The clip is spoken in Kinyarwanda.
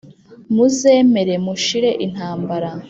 Muzemere mushire intambara